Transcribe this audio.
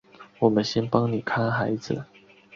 我们先帮妳看小孩